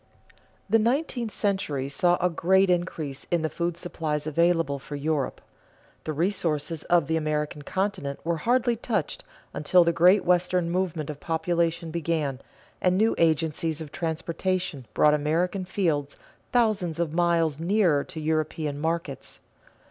_ The nineteenth century saw a great increase in the food supplies available for Europe. The resources of the American continent were hardly touched until the great Western movement of population began and new agencies of transportation brought American fields thousands of miles nearer to European markets.